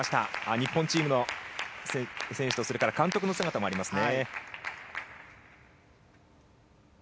日本チームの選手と監督の姿もありますね。